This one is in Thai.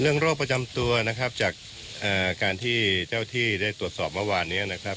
โรคประจำตัวนะครับจากการที่เจ้าที่ได้ตรวจสอบเมื่อวานนี้นะครับ